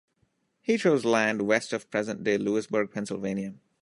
He chose land west of present-day Lewisburg, Pennsylvania.